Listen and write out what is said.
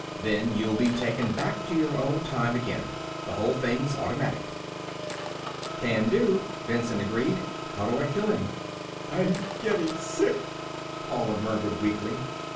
Then you'll be taken back to your own time again. The whole thing's automatic." "Can do," Benson agreed. "How do I kill him?" "I'm getting sick!" Paula murmured weakly.